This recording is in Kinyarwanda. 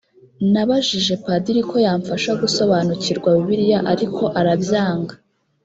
nabajije padiri ko yamfasha gusobanukirwa bibiliya ariko arabyanga